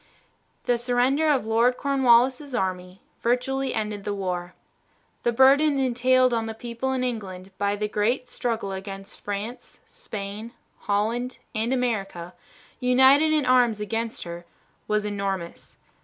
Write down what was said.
The surrender of Lord Cornwallis' army virtually ended the war. The burden entailed on the people in England by the great struggle against France, Spain, Holland, and America, united in arms against her, was enormous.